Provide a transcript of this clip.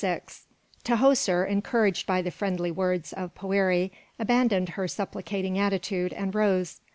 VI Tahoser, encouraged by the friendly words of Poëri, abandoned her supplicating attitude and rose.